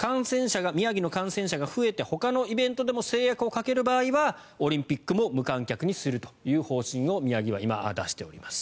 宮城の感染者が増えてほかのイベントでも制約をかける場合はオリンピックも無観客にするという方針を宮城は今、出しております。